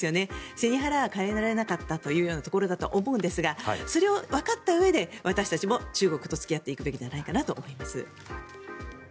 背に腹は代えられなかったというようなところだと思いますがそれをわかったうえで私たちも中国と付き合っていくべきじゃないかなと思います。